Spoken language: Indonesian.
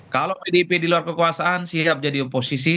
kalau pdip di luar kekuasaan siap jadi oposisi